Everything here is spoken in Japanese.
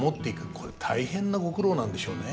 これ大変なご苦労なんでしょうね。